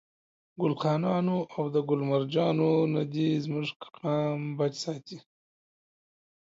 ګل خانانو او ده ګل مرجانو نه دي زموږ قام بچ ساتي.